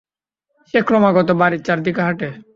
সে ক্রমাগত বাড়ির চারদিকে হাঁটে।